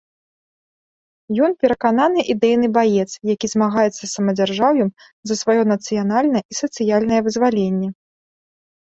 Ён перакананы ідэйны баец, які змагаецца з самадзяржаўем за сваё нацыянальнае і сацыяльнае вызваленне.